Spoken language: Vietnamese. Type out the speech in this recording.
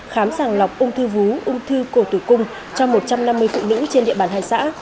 khám sàng lọc ung thư vú ung thư cổ tử cung cho một trăm năm mươi phụ nữ trên địa bàn hai xã